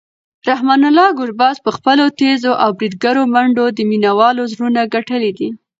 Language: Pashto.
رحمان الله ګربز په خپلو تېزو او بریدګرو منډو د مینوالو زړونه ګټلي دي.